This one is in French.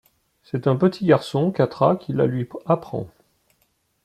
C'est un petit garçon, Khatra, qui la lui apprend.